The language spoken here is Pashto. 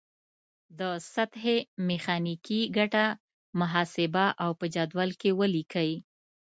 د سطحې میخانیکي ګټه محاسبه او په جدول کې ولیکئ.